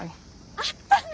あったね！